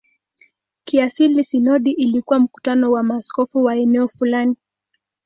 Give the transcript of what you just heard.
Kiasili sinodi ilikuwa mkutano wa maaskofu wa eneo fulani.